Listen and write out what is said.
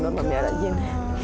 ya allah aku perlu lajin